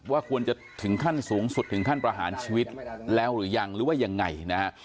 ว่าควรจะถึงขั้นสูงสุดถึงขั้นประหารชีวิตแล้วหรือยังหรือว่ายังไงนะฮะ